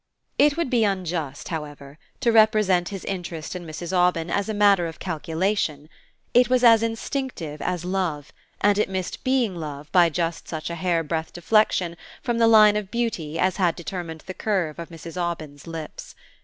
It would be unjust, however, to represent his interest in Mrs. Aubyn as a matter of calculation. It was as instinctive as love, and it missed being love by just such a hair breadth deflection from the line of beauty as had determined the curve of Mrs. Aubyn's lips.